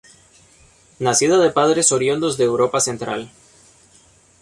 Nacida de padres oriundos de Europa central.